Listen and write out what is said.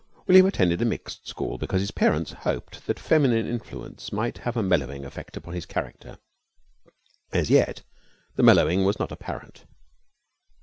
William attended a mixed school because his parents hoped that feminine influence might have a mellowing effect upon his character. As yet the mellowing was not apparent.